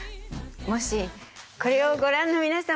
もしこれをご覧の皆様